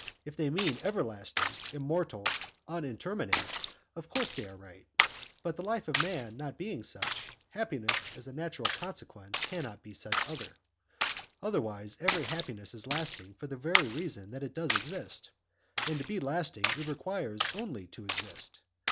If they mean everlasting, immortal, unintermitting, of course they are right, but the life of man not being such, happiness, as a natural consequence, cannot be such either. Otherwise, every happiness is lasting for the very reason that it does exist, and to be lasting it requires only to exist.